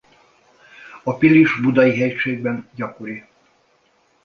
A Pilis–Budai-hegységben gyakori.